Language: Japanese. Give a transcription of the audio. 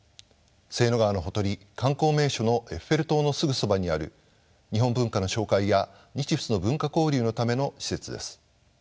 セーヌ川のほとり観光名所のエッフェル塔のすぐそばにある日本文化の紹介や日仏の文化交流のための施設です。